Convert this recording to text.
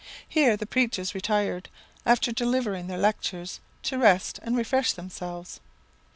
Here the preachers retired, after delivering their lectures, to rest and refresh themselves.